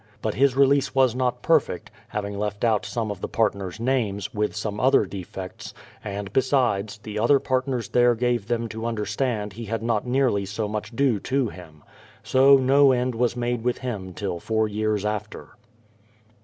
But his release was not perfect, having left out some of the partners' names, with some other defects ; and besides, the other partners there gave them to understand he had not nearly so much due to him. So no end was made with him till four years after.